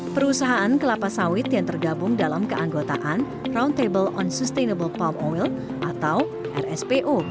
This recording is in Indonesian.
perusahaan kelapa sawit yang tergabung dalam keanggotaan roundtable on sustainable palm oil atau rspo